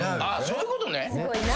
そういうことね。